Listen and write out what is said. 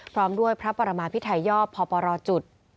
พร้อมด้วยพระปรมาพิไทยยอบพปรจุด